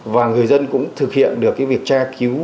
và người dân cũng thực hiện được cái việc tra cứu